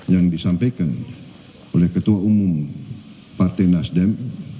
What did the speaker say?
yang disampaikan oleh ketua umum partai nasdem